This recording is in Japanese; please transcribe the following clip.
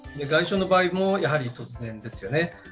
外傷の場合もやはり突然ですよね。